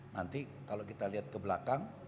nanti kalau kita lihat ke belakang